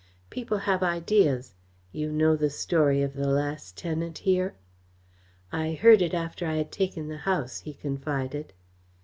"People have ideas. You know the story of the last tenant here?" "I heard it after I had taken the house," he confided.